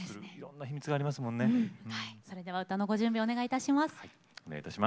それでは歌のご準備お願いいたします。